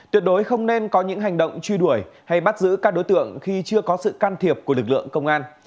tuyệt đối không nên có những hành động truy đuổi hay bắt giữ các đối tượng khi chưa có sự can thiệp của lực lượng công an